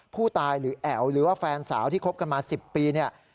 ผู้ตายหรือแอ๋วหรือว่าแฟนสาวที่คบกันมา๑๐ปีเนี่ย